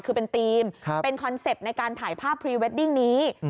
คือเป็นธีมเป็นคอนเซ็ปต์ในการถ่ายภาพพรีเวดดิ้งนี้